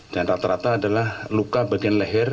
dan rata rata adalah luka bagian leher